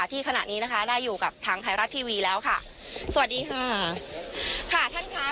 ที่ขณะนี้นะคะได้อยู่กับทางไทยรัฐทีวีแล้วค่ะสวัสดีค่ะค่ะท่านค่ะ